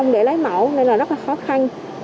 để lấy mẫu nên là rất là khó khăn